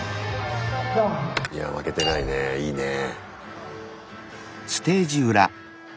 いや負けてないねいいねえ。